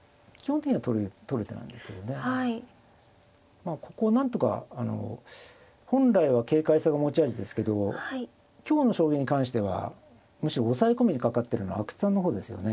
まあここをなんとかあの本来は軽快さが持ち味ですけど今日の将棋に関してはむしろ押さえ込みにかかってるのは阿久津さんの方ですよね。